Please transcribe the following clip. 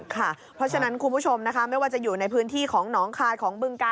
เพราะฉะนั้นคุณผู้ชมนะคะไม่ว่าจะอยู่ในพื้นที่ของหนองคายของบึงกาล